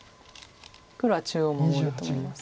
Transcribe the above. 黒は中央を守ると思います。